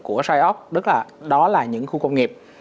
của sioc đó là những khu công nghiệp